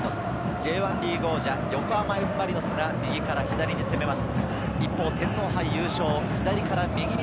Ｊ１リーグ王者・横浜Ｆ・マリノスが右から左に攻めます。